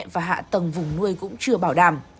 và hạ tầng vùng nuôi cũng chưa bảo đảm